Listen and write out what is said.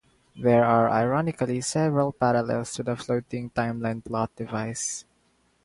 There are ironically several parallels to the floating timeline plot device.